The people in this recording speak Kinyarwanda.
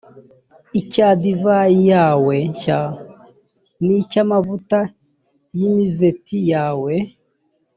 icya divayi yawe nshya, n’icy’amavuta y’imizeti yawe,